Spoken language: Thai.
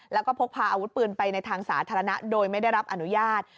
แล้วก็พกพาอาวุธปืนไปในทางสาธารณะโดยไม่ได้รับอนุญาต